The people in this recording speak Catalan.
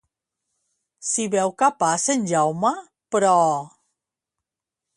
S'hi veu capaç en Jaume, però?